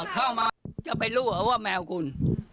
เข้ามาจะไปรู้เอาว่าแมวคุณ